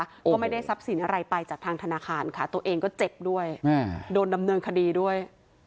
ก็ไม่ได้ทรัพย์สินอะไรไปจากทางธนาคารค่ะตัวเองก็เจ็บด้วยโดนดำเนินคดีด้วย